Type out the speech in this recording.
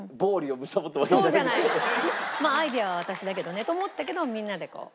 まあアイデアは私だけどねと思ったけどみんなでこう。